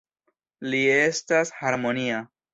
Li estas harmonia.